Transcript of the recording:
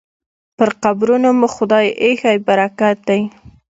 پر قبرونو مو خدای ایښی برکت دی